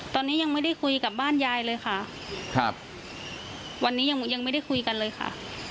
ตอนนี้ยังไม่ได้คุยกับบ้านยายเลยค่ะครับวันนี้ยังไม่ได้คุยกันเลยค่ะ